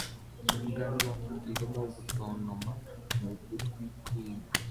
imbwa nto irimo gutontoma mu gutwi kw'inka